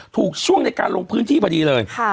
ช่วงในการลงพื้นที่พอดีเลย